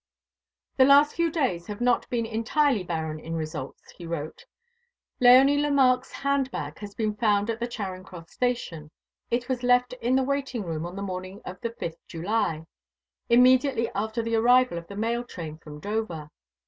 "The last few days have not been entirely barren in results," he wrote. "Léonie Lemarque's handbag has been found at the Charing Cross Station; it was left in the waiting room on the morning of the 5th July, immediately after the arrival of the mail train from Dover.